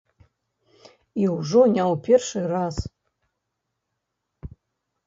І ўжо не ў першы раз.